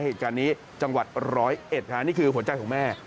เหตุการณ์นี้จังหวัดร้อยเอ็ดค่ะนี่คือหัวใจของแม่